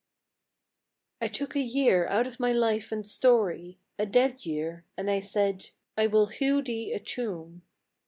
T TOOK a year out of my life and story — A dead year, and I said, " I will hew thee a tomb